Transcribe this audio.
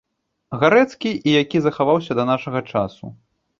Гарэцкі і які захаваўся да нашага часу.